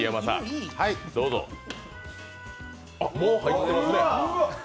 あっ、もう入ってますね。